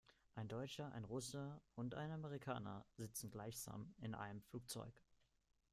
Ein Deutscher, ein Russe und ein Amerikaner sitzen gemeinsam in einem Flugzeug.